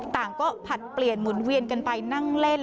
ต่างก็ผลัดเปลี่ยนหมุนเวียนกันไปนั่งเล่น